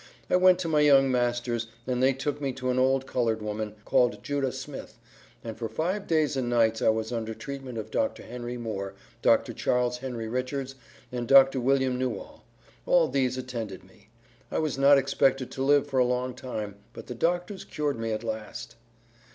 I went to my young masters, and they took me to an old colored woman, called Judah Smith, and for five days and nights I was under treatment of Dr. Henry Moore, Dr. Charles Henry Richards, and Dr. William Newall; all these attended me. I was not expected to live for a long time, but the Doctors cured me at last."